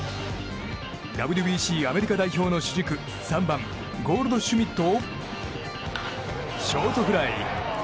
ＷＢＣアメリカ代表の主軸３番、ゴールドシュミットをショートフライ。